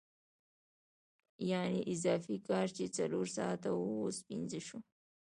یانې اضافي کار چې څلور ساعته وو اوس پنځه شو